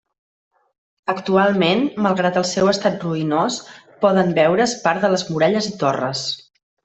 Actualment, malgrat el seu estat ruïnós, poden veure's part de les muralles i torres.